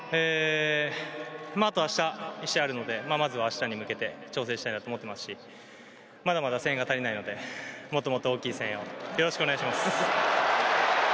あとは明日１試合あるのでまずは明日に向けて調整したいなと思っていますしまだまだ声援が足りないのでもっともっと大きい声援をよろしくお願いします。